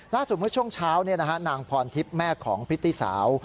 เมื่อช่วงเช้านางพรทิพย์แม่ของพริตตี้สาว